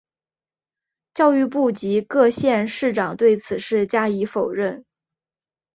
教育部及各县市长对此事加以否认。